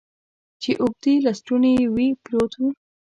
چې اوږدې لستوڼي یې وې، پروت و.